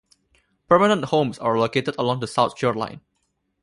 Permanent homes are located along the south shoreline.